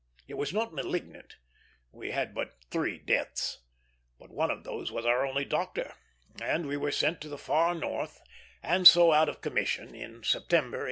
It was not malignant we had but three deaths but one of those was our only doctor, and we were sent to the far North, and so out of commission, in September, 1866.